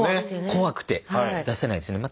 怖くて出せないですよね。